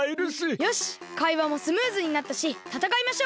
よしかいわもスムーズになったしたたかいましょう！